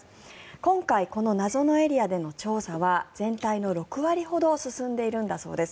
今回、この謎のエリアでの調査は全体の６割ほど進んでいるんだそうです。